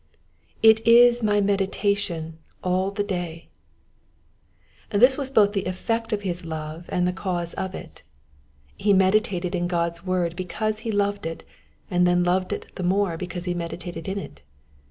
/i u my meditation all the dayy This was both the effect of his love and the cause of it. He meditated in God's word because he loved it, and then loved it the more because he meditated in it.